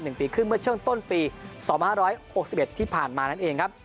หนึ่งปีขึ้นเมื่อช่วงต้นปีสองพันร้อยหกสิบเอ็ดที่ผ่านมานั่นเองครับ